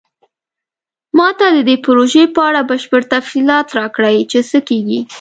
ما ته د دې پروژې په اړه بشپړ تفصیلات راکړئ چې څه کیږي